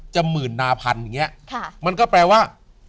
หมื่นนาพันอย่างนี้มันก็แปลว่า